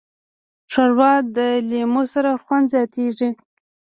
ښوروا د لیمو سره خوند زیاتیږي.